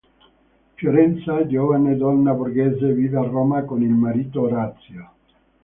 Fiorenza, giovane donna borghese, vive a Roma con il marito Orazio.